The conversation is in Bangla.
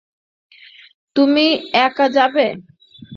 তুমি একা যাবে?